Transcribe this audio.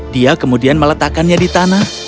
dia kemudian meletakkannya di tanah